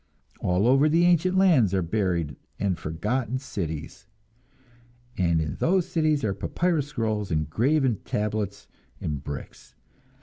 All over the ancient lands are buried and forgotten cities, and in those cities are papyrus scrolls and graven tablets and bricks.